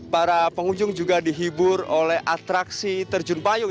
para pengunjung juga dihibur oleh atraksi terjun payung